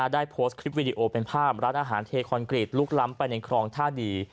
ได้โพสต์คลิปวิดีโอเป็นภาพร้านอาหารเทคอนกรีตลุกล้ำไปในคลองท่าดี